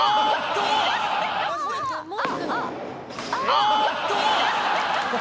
あーっと！